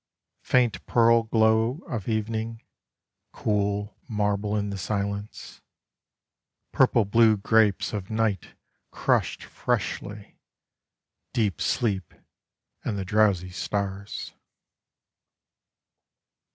Faint pearl glow of evening, Cool marble in the silence: Purple blue grapes of night crushed freshly, Deep sleep and the drowsy stars.